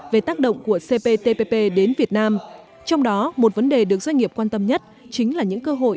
về tác động của cptpp đến việt nam trong đó một vấn đề được doanh nghiệp quan tâm nhất chính là những cơ hội